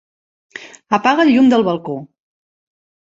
Apaga el llum del balcó.